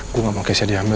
gue gak mau kesnya diambil